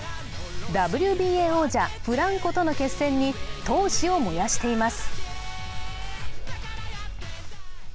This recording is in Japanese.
ＷＢＡ王者・フランコとの決戦に闘志を燃やしています。